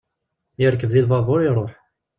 Yerkeb di lbabur, iruḥ.